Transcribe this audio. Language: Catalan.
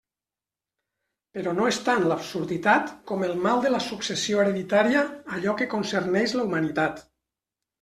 Però no és tant l'absurditat com el mal de la successió hereditària allò que concerneix la humanitat.